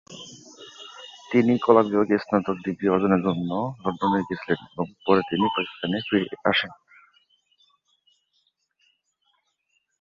তিনি কলা বিভাগে স্নাতক ডিগ্রি অর্জনের জন্য লন্ডনে গিয়েছিলেন এবং পরে তিনি পাকিস্তানে ফিরে আসেন।